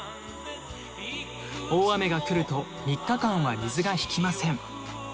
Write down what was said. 「大雨がくると３日間は水がひきません！」